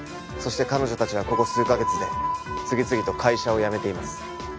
そして彼女たちはここ数カ月で次々と会社を辞めています。